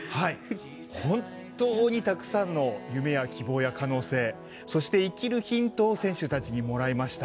本当にたくさんの夢や希望や可能性、そして生きるヒントを選手たちにもらいました。